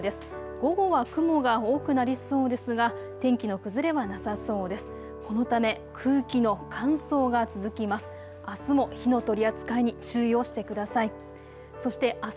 午後は雲が多くなりそうですが天気の崩れはなさそうです。